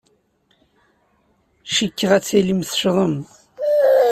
Cikkeɣ ad tilim teccḍem.